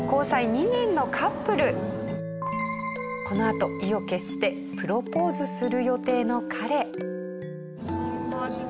このあと意を決してプロポーズする予定の彼。